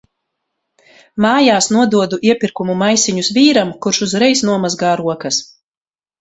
Mājās nododu iepirkumu maisiņus vīram, kurš uzreiz nomazgā rokas.